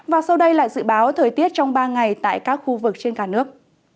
và sau đây là dự báo thời tiết trong ba ngày tại các khu vực trên cả nước